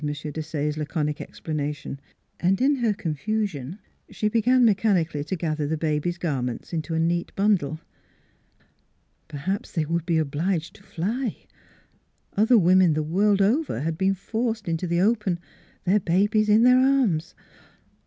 Desaye's laconic explana tion, and in her confusion she began mechanically to gather the baby's garments into a neat bundle. ... Perhaps they would be obliged to fly. Other women the world over had been forced into the open, their babies in their arms.